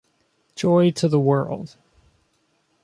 Joy to the world!